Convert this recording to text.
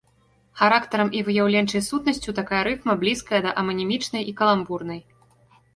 Характарам і выяўленчай сутнасцю такая рыфма блізкая да аманімічнай і каламбурнай.